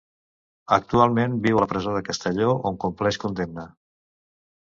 Actualment viu a la presó de Castelló, on compleix condemna.